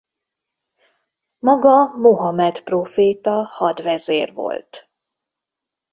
Maga Mohamed próféta hadvezér volt.